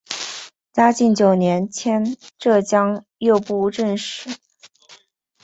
嘉靖九年迁浙江右布政使。